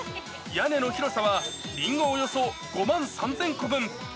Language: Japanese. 屋根の広さは、リンゴおよそ５万３０００個分。